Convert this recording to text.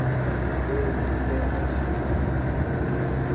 Eu tenho uma filha.